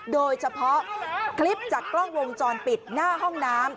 โดยเฉพาะคลิปจากกล้องวงจรปิดหน้าห้องน้ำ